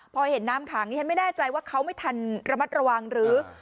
พอเห็นน้ำขังนี่ฉันไม่แน่ใจว่าเขาไม่ทันระมัดระวังหรือ